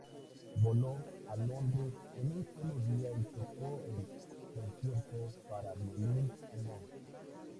Voló a Londres en un solo día y tocó el "Concierto para violín no.